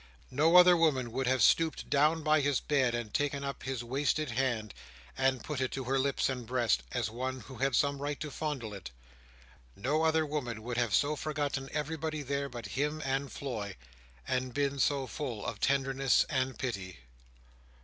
No other woman would have stooped down by his bed, and taken up his wasted hand, and put it to her lips and breast, as one who had some right to fondle it. No other woman would have so forgotten everybody there but him and Floy, and been so full of tenderness and pity.